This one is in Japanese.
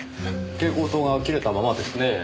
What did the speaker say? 蛍光灯が切れたままですねぇ。